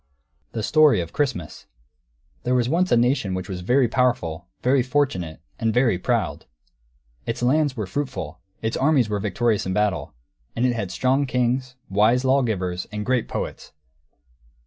THE STORY OF CHRISTMAS There was once a nation which was very powerful, very fortunate, and very proud. Its lands were fruitful; its armies were victorious in battle; and it had strong kings, wise lawgivers, and great poets.